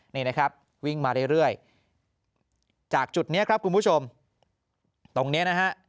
นี่นะครับวิ่งมาเรื่อยจากจุดนี้ครับคุณผู้ชมตรงนี้นะฮะ